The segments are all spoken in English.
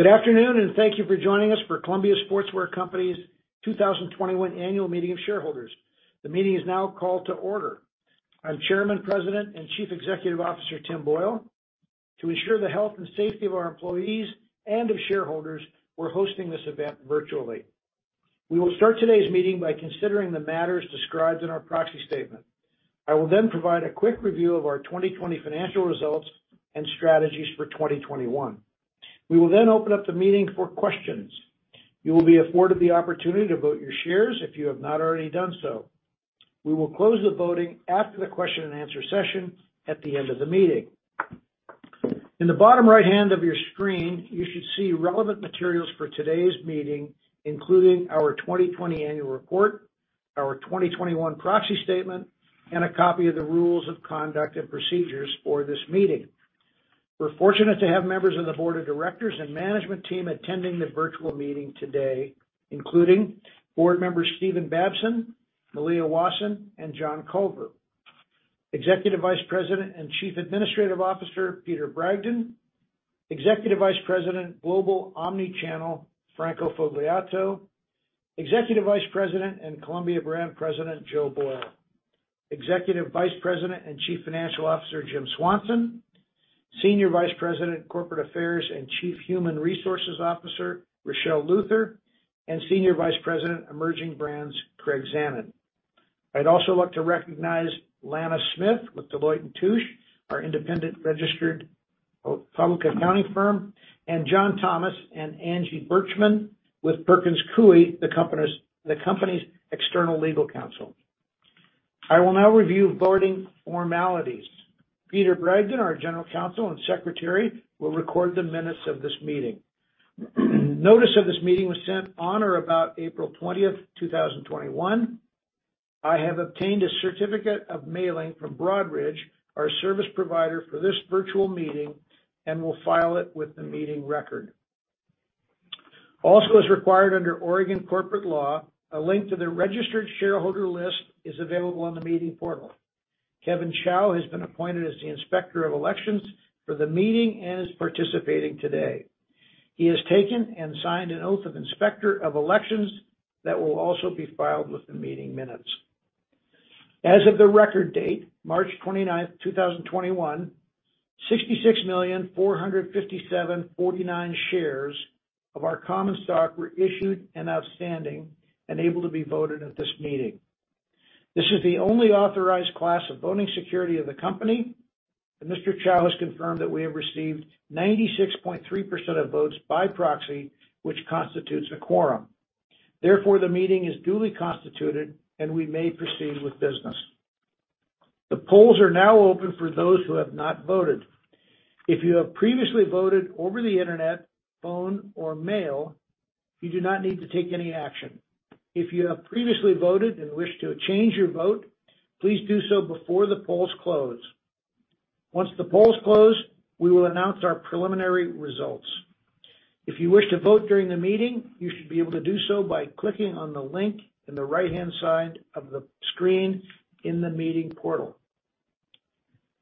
Good afternoon, and thank you for joining us for Columbia Sportswear Company's 2021 Annual Meeting of Shareholders. The meeting is now called to order. I'm Chairman, President, and Chief Executive Officer, Tim Boyle. To ensure the health and safety of our employees and of shareholders, we're hosting this event virtually. We will start today's meeting by considering the matters described in our proxy statement. I will provide a quick review of our 2020 financial results and strategies for 2021. We will open up the meeting for questions. You will be afforded the opportunity to vote your shares if you have not already done so. We will close the voting after the question and answer session at the end of the meeting. In the bottom right-hand of your screen, you should see relevant materials for today's meeting, including our 2020 annual report, our 2021 proxy statement, and a copy of the rules of conduct and procedures for this meeting. We're fortunate to have members of the board of directors and management team attending the virtual meeting today, including board members Stephen Babson, Malia Wasson, and John Culver. Executive Vice President and Chief Administrative Officer, Peter Bragdon. Executive Vice President, Global Omni-Channel, Franco Fogliato. Executive Vice President and Columbia Brand President, Joe Boyle. Executive Vice President and Chief Financial Officer, Jim Swanson. Senior Vice President, Corporate Affairs, and Chief Human Resources Officer, Richelle Luther, and Senior Vice President, Emerging Brands, Craig Zanon. I'd also like to recognize Lana Smith with Deloitte & Touche, our independent registered public accounting firm, and John Thomas and Angie Burcham with Perkins Coie, the company's external legal counsel. I will now review voting formalities. Peter Bragdon, our General Counsel and Secretary, will record the minutes of this meeting. Notice of this meeting was sent on or about April 20th, 2021. I have obtained a certificate of mailing from Broadridge, our service provider for this virtual meeting, and will file it with the meeting record. As required under Oregon corporate law, a link to their registered shareholder list is available on the meeting portal. Kevin Chow has been appointed as the Inspector of Elections for the meeting and is participating today. He has taken and signed an oath of Inspector of Elections that will also be filed with the meeting minutes. As of the record date, March 29th, 2021, 66,457,049 shares of our common stock were issued and outstanding and able to be voted at this meeting. This is the only authorized class of voting security of the company, and Mr. Chow has confirmed that we have received 96.3% of votes by proxy, which constitutes a quorum. Therefore, the meeting is duly constituted and we may proceed with business. The polls are now open for those who have not voted. If you have previously voted over the internet, phone, or mail, you do not need to take any action. If you have previously voted and wish to change your vote, please do so before the polls close. Once the polls close, we will announce our preliminary results. If you wish to vote during the meeting, you should be able to do so by clicking on the link in the right-hand side of the screen in the meeting portal.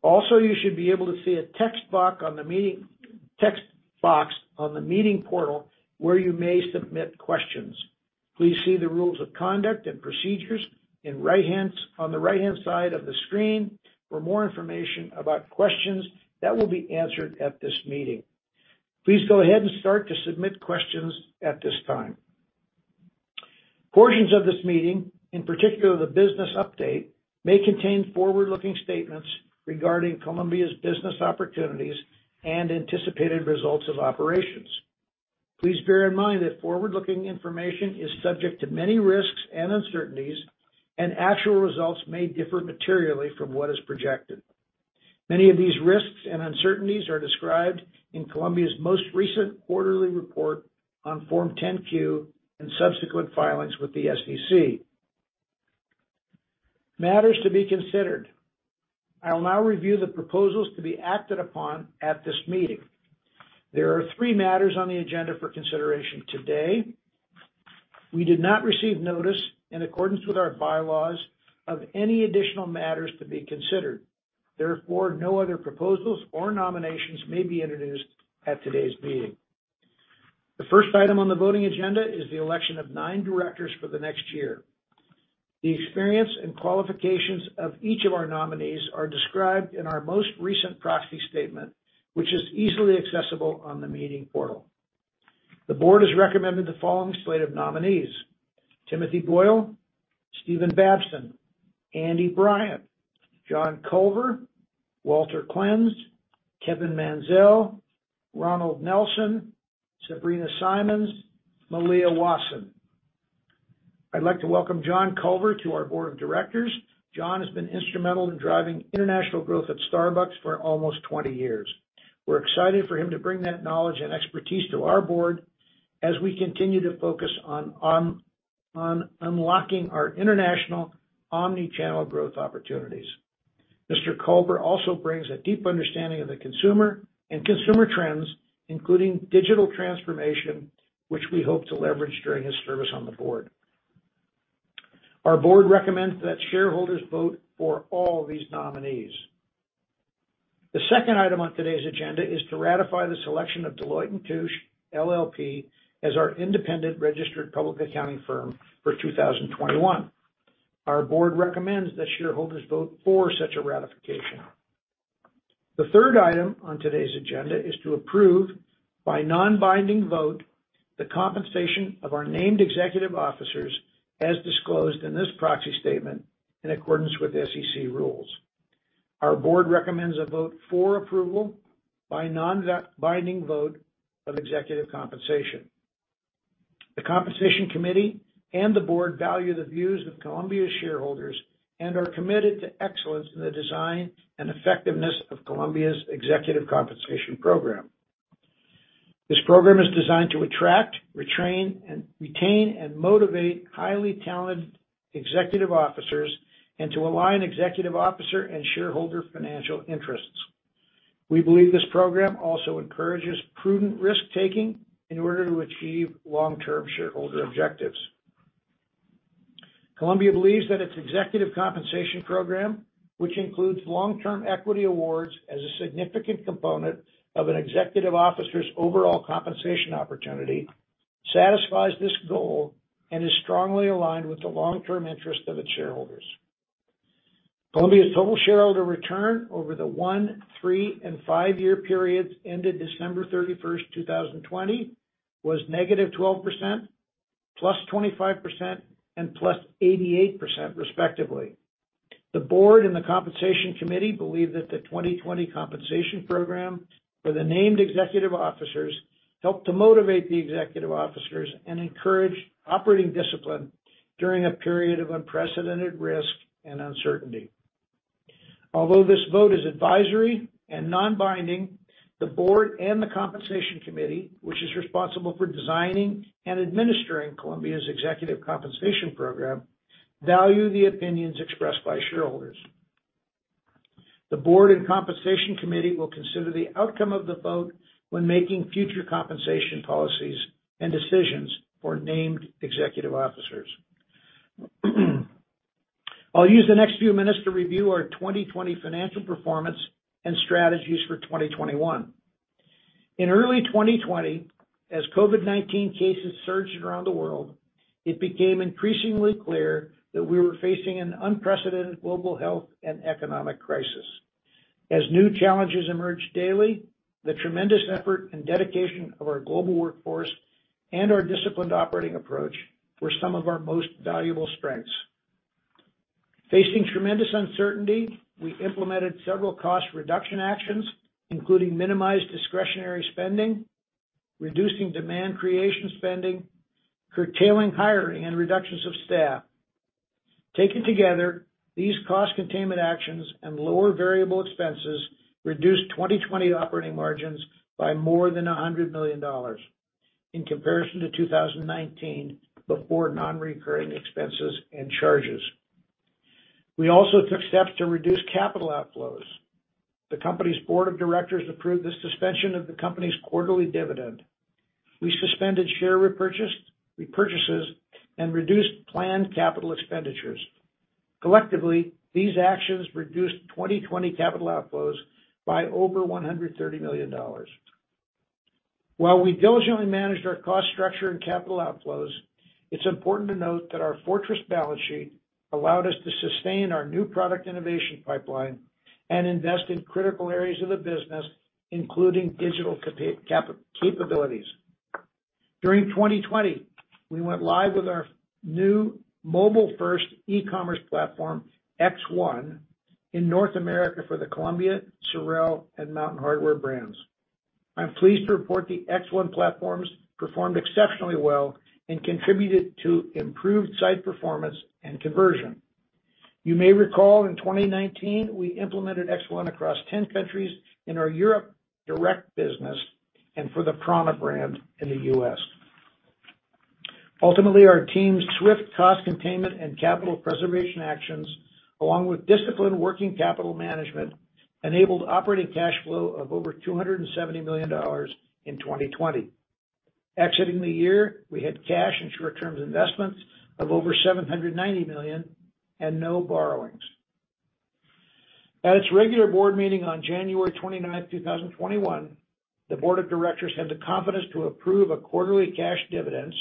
Also, you should be able to see a text box on the meeting portal where you may submit questions. Please see the rules of conduct and procedures on the right-hand side of the screen for more information about questions that will be answered at this meeting. Please go ahead and start to submit questions at this time. Portions of this meeting, in particular the business update, may contain forward-looking statements regarding Columbia's business opportunities and anticipated results of operations. Please bear in mind that forward-looking information is subject to many risks and uncertainties, and actual results may differ materially from what is projected. Many of these risks and uncertainties are described in Columbia's most recent quarterly report on Form 10-Q and subsequent filings with the SEC. Matters to be considered. I will now review the proposals to be acted upon at this meeting. There are three matters on the agenda for consideration today. We did not receive notice, in accordance with our bylaws, of any additional matters to be considered. Therefore, no other proposals or nominations may be introduced at today's meeting. The first item on the voting agenda is the election of nine directors for the next year. The experience and qualifications of each of our nominees are described in our most recent proxy statement, which is easily accessible on the meeting portal. The board has recommended the following slate of nominees: Timothy Boyle, Stephen Babson, Andy Bryant, John Culver, Walter Klenz, Kevin Mansell, Ronald E. Nelson, Sabrina Simmons, Malia Wasson. I'd like to welcome John Culver to our board of directors. John has been instrumental in driving international growth at Starbucks for almost 20 years. We're excited for him to bring that knowledge and expertise to our board as we continue to focus on unlocking our international omni-channel growth opportunities. Mr. Culver also brings a deep understanding of the consumer and consumer trends, including digital transformation, which we hope to leverage during his service on the board. Our board recommends that shareholders vote for all these nominees. The second item on today's agenda is to ratify the selection of Deloitte & Touche, LLP as our independent registered public accounting firm for 2021. Our board recommends that shareholders vote for such a ratification. The third item on today's agenda is to approve, by non-binding vote, the compensation of our named executive officers as disclosed in this proxy statement in accordance with SEC rules. Our board recommends a vote for approval by non-binding vote of executive compensation. The Compensation Committee and the board value the views of Columbia shareholders and are committed to excellence in the design and effectiveness of Columbia's Executive Compensation Program. This program is designed to attract, retain, and motivate highly talented executive officers and to align executive officer and shareholder financial interests. We believe this program also encourages prudent risk-taking in order to achieve long-term shareholder objectives. Columbia believes that its executive compensation program, which includes long-term equity awards as a significant component of an executive officer's overall compensation opportunity, satisfies this goal and is strongly aligned with the long-term interest of its shareholders. Columbia's total shareholder return over the one, three, and five-year periods ended December 31st, 2020, was -12%, +25%, and +88%, respectively. The board and the Compensation Committee believe that the 2020 compensation program for the named executive officers helped to motivate the executive officers and encouraged operating discipline during a period of unprecedented risk and uncertainty. Although this vote is advisory and non-binding, the board and the Compensation Committee, which is responsible for designing and administering Columbia's Executive Compensation Program, value the opinions expressed by shareholders. The board and Compensation Committee will consider the outcome of the vote when making future compensation policies and decisions for named executive officers. I'll use the next few minutes to review our 2020 financial performance and strategies for 2021. In early 2020, as COVID-19 cases surged around the world, it became increasingly clear that we were facing an unprecedented global health and economic crisis. As new challenges emerged daily, the tremendous effort and dedication of our global workforce and our disciplined operating approach were some of our most valuable strengths. Facing tremendous uncertainty, we implemented several cost reduction actions, including minimized discretionary spending, reducing demand creation spending, curtailing hiring, and reductions of staff. Taken together, these cost containment actions and lower variable expenses reduced 2020 operating margins by more than $100 million in comparison to 2019 before non-recurring expenses and charges. We also took steps to reduce capital outflows. The company's board of directors approved the suspension of the company's quarterly dividend. We suspended share repurchases and reduced planned capital expenditures. Collectively, these actions reduced 2020 capital outflows by over $130 million. While we diligently managed our cost structure and capital outflows, it's important to note that our fortress balance sheet allowed us to sustain our new product innovation pipeline and invest in critical areas of the business, including digital capabilities. During 2020, we went live with our new mobile-first e-commerce platform, X1, in North America for the Columbia, SOREL, and Mountain Hardwear brands. I'm pleased to report the X1 platforms performed exceptionally well and contributed to improved site performance and conversion. You may recall in 2019, we implemented X1 across 10 countries in our Europe direct business and for the prAna brand in the U.S. Our team's swift cost containment and capital preservation actions, along with disciplined working capital management, enabled operating cash flow of over $270 million in 2020. Exiting the year, we had cash and short-term investments of over $790 million and no borrowings. At its regular board meeting on January 29th, 2021, the board of directors had the confidence to approve a quarterly cash dividends,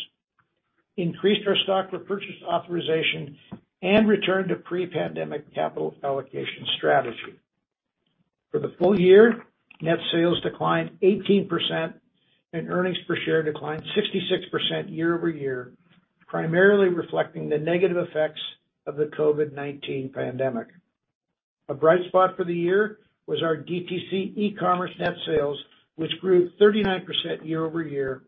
increased our stock repurchase authorization, and returned to pre-pandemic capital allocation strategy. For the full year, net sales declined 18% and earnings per share declined 66% year-over-year, primarily reflecting the negative effects of the COVID-19 pandemic. A bright spot for the year was our DTC e-commerce net sales, which grew 39% year-over-year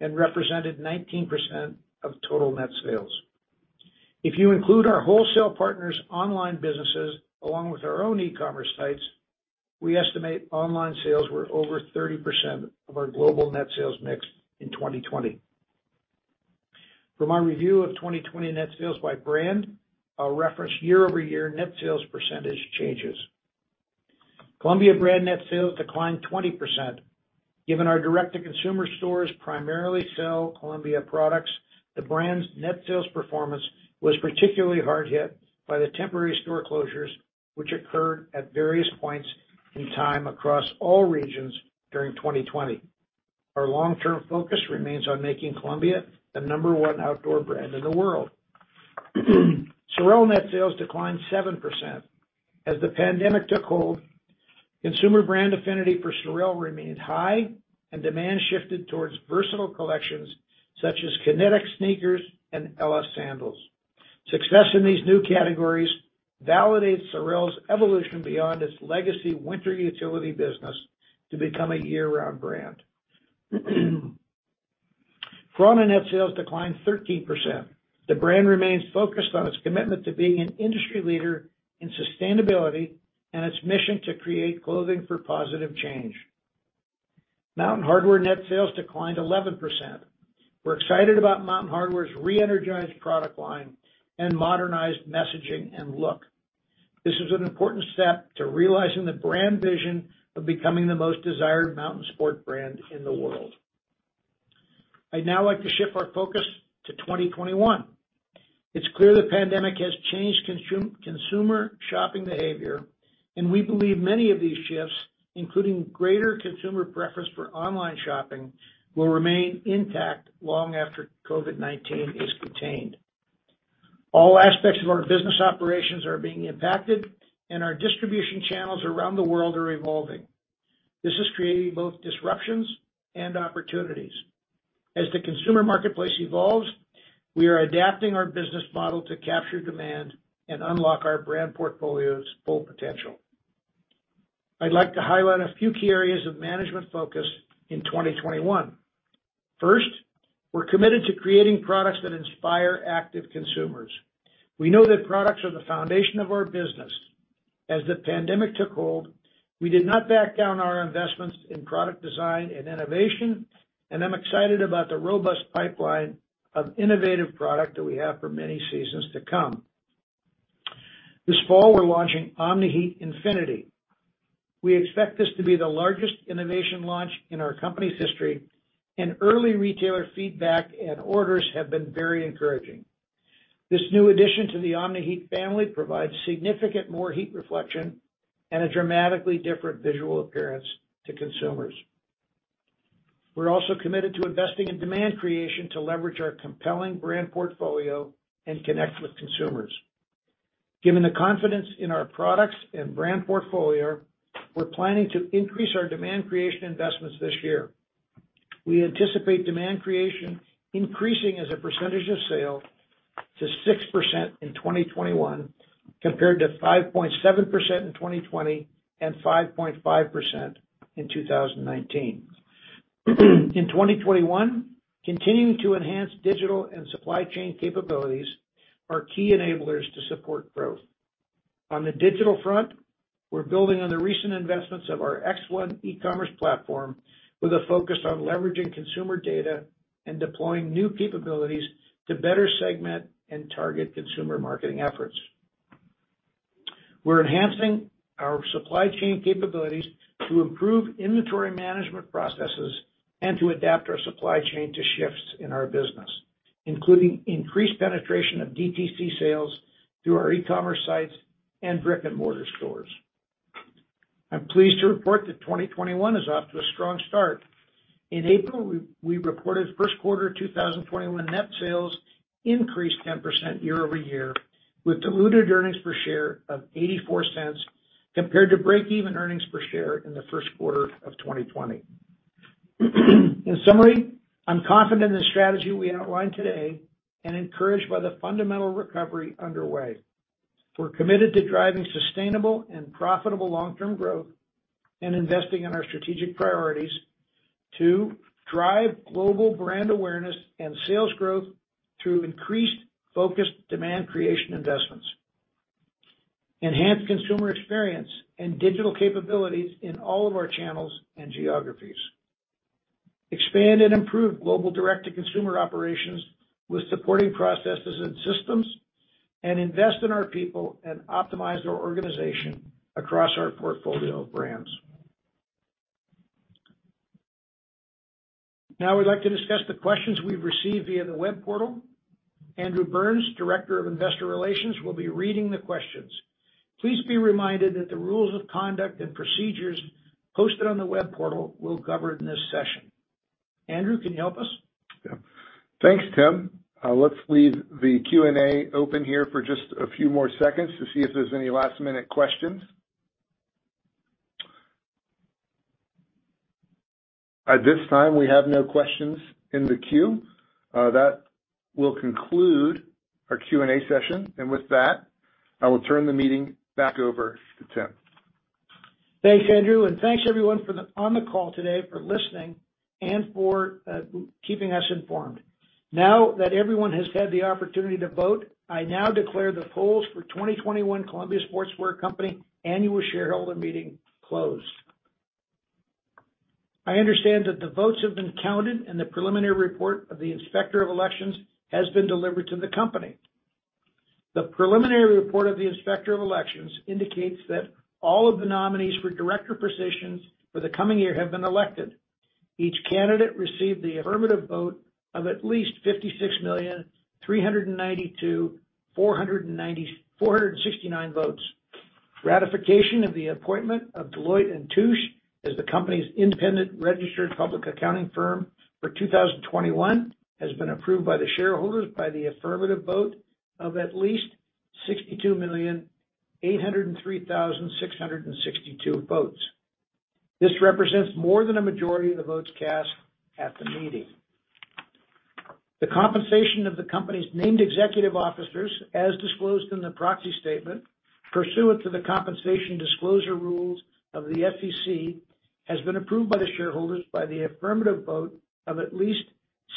and represented 19% of total net sales. If you include our wholesale partners' online businesses along with our own e-commerce sites, we estimate online sales were over 30% of our global net sales mix in 2020. For my review of 2020 net sales by brand, I'll reference year-over-year net sales percentage changes. Columbia brand net sales declined 20%. Given our direct-to-consumer stores primarily sell Columbia products, the brand's net sales performance was particularly hard hit by the temporary store closures, which occurred at various points in time across all regions during 2020. Our long-term focus remains on making Columbia the number one outdoor brand in the world. SOREL net sales declined 7%. As the pandemic took hold, consumer brand affinity for SOREL remained high, and demand shifted towards versatile collections such as Kinetic sneakers and Ella sandals. Success in these new categories validates SOREL's evolution beyond its legacy winter utility business to become a year-round brand. prAna net sales declined 13%. The brand remains focused on its commitment to being an industry leader in sustainability and its mission to create clothing for positive change. Mountain Hardwear net sales declined 11%. We're excited about Mountain Hardwear's reenergized product line and modernized messaging and look. This is an important step to realizing the brand vision of becoming the most desired mountain sport brand in the world. I'd now like to shift our focus to 2021. It's clear the pandemic has changed consumer shopping behavior, and we believe many of these shifts, including greater consumer preference for online shopping, will remain intact long after COVID-19 is contained. All aspects of our business operations are being impacted, and our distribution channels around the world are evolving. This is creating both disruptions and opportunities. As the consumer marketplace evolves, we are adapting our business model to capture demand and unlock our brand portfolio's full potential. I'd like to highlight a few key areas of management focus in 2021. First, we're committed to creating products that inspire active consumers. We know that products are the foundation of our business. As the pandemic took hold, we did not back down our investments in product design and innovation, and I'm excited about the robust pipeline of innovative product that we have for many seasons to come. This fall, we're launching Omni-Heat Infinity. We expect this to be the largest innovation launch in our company's history, and early retailer feedback and orders have been very encouraging. This new addition to the Omni-Heat family provides significant more heat reflection and a dramatically different visual appearance to consumers. We're also committed to investing in demand creation to leverage our compelling brand portfolio and connect with consumers. Given the confidence in our products and brand portfolio, we're planning to increase our demand creation investments this year. We anticipate demand creation increasing as a percentage of sale to 6% in 2021 compared to 5.7% in 2020 and 5.5% in 2019. In 2021, continuing to enhance digital and supply chain capabilities are key enablers to support growth. On the digital front, we're building on the recent investments of our X1 e-commerce platform with a focus on leveraging consumer data and deploying new capabilities to better segment and target consumer marketing efforts. We're enhancing our supply chain capabilities to improve inventory management processes and to adapt our supply chain to shifts in our business, including increased penetration of DTC sales through our e-commerce sites and brick-and-mortar stores. I'm pleased to report that 2021 is off to a strong start. In April, we reported Q1 2021 net sales increased 10% year-over-year with diluted earnings per share of $0.84 compared to break-even earnings per share in the Q1 of 2020. In summary, I'm confident in the strategy we outlined today and encouraged by the fundamental recovery underway. We're committed to driving sustainable and profitable long-term growth and investing in our strategic priorities to drive global brand awareness and sales growth through increased focused demand creation investments, enhance consumer experience and digital capabilities in all of our channels and geographies, expand and improve global direct-to-consumer operations with supporting processes and systems, and invest in our people and optimize our organization across our portfolio of brands. Now, I'd like to discuss the questions we've received via the web portal. Andrew Burns, Director of Investor Relations, will be reading the questions. Please be reminded that the rules of conduct and procedures posted on the web portal will cover in this session. Andrew, can you help us? Yeah. Thanks, Tim. Let's leave the Q&A open here for just a few more seconds to see if there's any last-minute questions. At this time, we have no questions in the queue. That will conclude our Q&A session. With that, I will turn the meeting back over to Tim. Thanks, Andrew. Thanks, everyone, on the call today for listening and for keeping us informed. Now that everyone has had the opportunity to vote, I now declare the polls for 2021 Columbia Sportswear Company Annual Shareholder Meeting closed. I understand that the votes have been counted and the preliminary report of the Inspector of Elections has been delivered to the company. The preliminary report of the Inspector of Elections indicates that all of the nominees for director positions for the coming year have been elected. Each candidate received the affirmative vote of at least 56,392,469 votes. Ratification of the appointment of Deloitte & Touche as the company's independent registered public accounting firm for 2021 has been approved by the shareholders by the affirmative vote of at least 62,803,662 votes. This represents more than a majority of the votes cast at the meeting. The compensation of the company's named executive officers, as disclosed in the proxy statement pursuant to the compensation disclosure rules of the SEC, has been approved by the shareholders by the affirmative vote of at least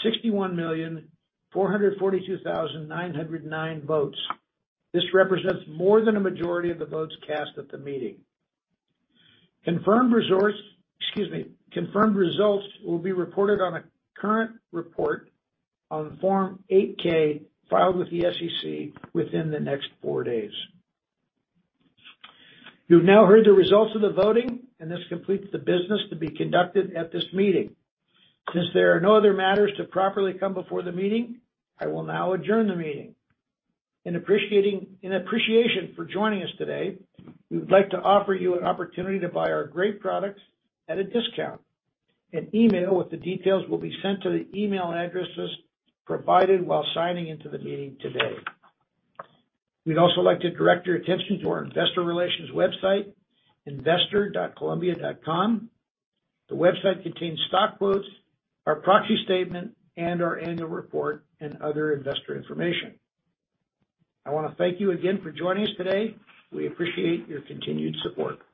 61,442,909 votes. This represents more than a majority of the votes cast at the meeting. Confirmed results will be reported on a current report on Form 8-K filed with the SEC within the next four days. You've now heard the results of the voting, and this completes the business to be conducted at this meeting. Since there are no other matters to properly come before the meeting, I will now adjourn the meeting. In appreciation for joining us today, we would like to offer you an opportunity to buy our great products at a discount. An email with the details will be sent to the email addresses provided while signing into the meeting today. We'd also like to direct your attention to our investor relations website, investor.columbia.com. The website contains stock quotes, our proxy statement, and our annual report and other investor information. I want to thank you again for joining us today. We appreciate your continued support.